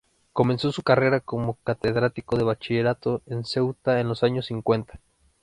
Comenzó su carrera como catedrático de bachillerato en Ceuta en los años cincuenta.